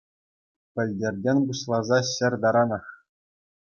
Пӗлӗтрен пуҫласа ҫӗр таранах.